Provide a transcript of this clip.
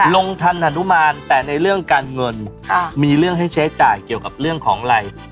ลงทันฮานุมานแต่ในเรื่องการเงินมีเรื่องให้ใช้จ่ายเกี่ยวกับเรื่องของอะไร